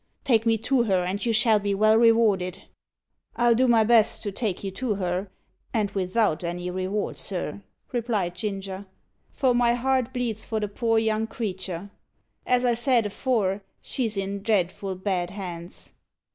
Take me to her, and you shall be well rewarded." "I'll do my best to take you to her, and without any reward, sir," replied Ginger, "for my heart bleeds for the poor young creater. As I said afore, she's in dreadful bad hands."